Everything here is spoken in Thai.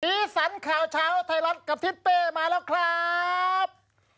สีสันข่าวเช้าไทยรัฐกับทิศเป้มาแล้วครับ